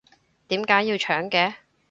點解要搶嘅？